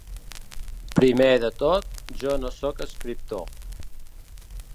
Primer de tot, jo no sóc escriptor.